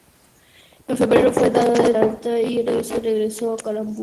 En febrero, fue dado de alta y regresó a Kamakura.